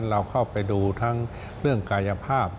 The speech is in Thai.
เราเข้าไปดูทั้งเรื่องกายภาพ